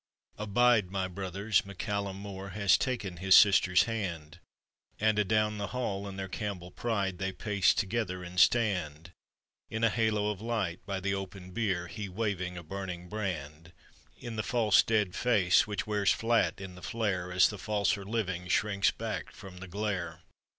"Abide, my brothers !" MacCallum Mor Has taken his sister's hand, And adown the hall in their Campbell pride They pace together, and stand In a halo of light by the open bier, He waving a burning brand In the false dead face which wears flat in the flare, As the falser living shrinks back from the glare.